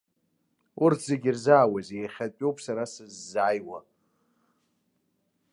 Урҭ зегьы ирзаауазеи, иахьатәи ауп сара сыззааиуа.